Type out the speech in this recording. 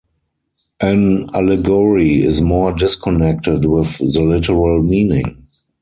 An allegory is more disconnected with the literal meaning.